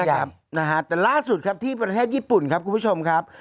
แต่ล่าสุดครับที่ประเทศญี่ปุ่นครับคุณผู้ชมครับ